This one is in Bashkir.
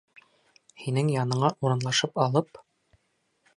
Һинең яныңа урынлашып алып!..